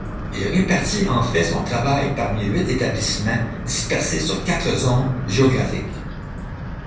Il répartit en fait son travail parmi huit établissements dispersés sur quatre zones géographiques.